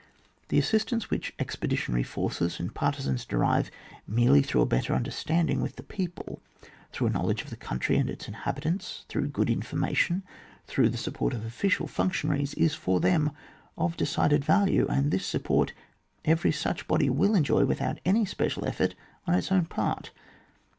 The assistance which expeditionary forces and partisans derive merely through a better under standing with the people, through a knowledge of the country and its inhabit ants, through good information, through the support of official functionaries, is, for them, of decided value ; and this sup port every such body will enjoy with out any special effort on its own part.